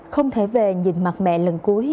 không thể về nhìn mặt mẹ lần cuối